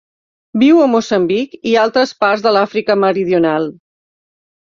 Viu a Moçambic i altres parts de l'Àfrica Meridional.